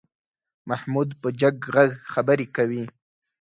محمود په جګ غږ خبرې کوي.